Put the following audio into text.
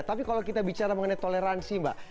tapi kalau kita bicara mengenai toleransi mbak